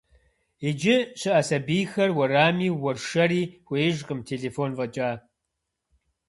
Иджы щыӏэ сабийхэр уэрами уэршэри хуеижкъым, телефон фӏэкӏа.